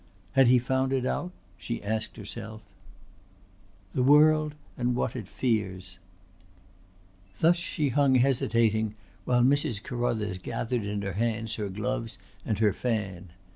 Had he found it out? she asked herself "The world and what it fears." Thus she hung hesitating while Mrs. Carruthers gathered in her hands her gloves and her fan.